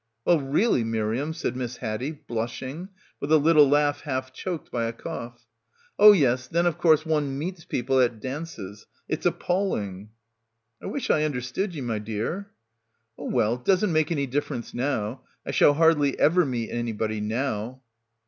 "Well really, Miriam," said Miss Haddie, blushing, with a little laugh half choked by a cough. "Oh yes, then of course one meets people — at dances. It's appalling." "I wish I understood ye, my dear." "Oh well, it doesn't make any difference now. I shall hardly ever meet anybody now."